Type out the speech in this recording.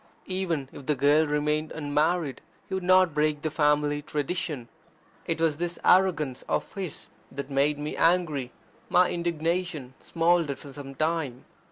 Even if the girl remained unmarried, he would not break the family tradition. It was this arrogance of his that made me angry. My indignation smouldered for some time.